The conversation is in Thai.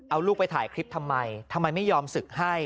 เอาลูกไปถ่ายคลิปทำไมทำไมไม่ยอมศึกให้